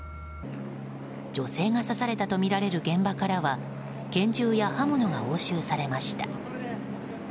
女性が刺されたとみられる現場からは拳銃や刃物が押収されました。